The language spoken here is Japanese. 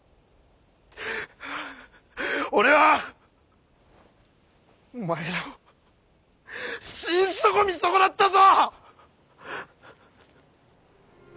俺はお前らを心底見損なったぞ！